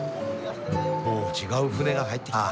お違う船が入ってきた。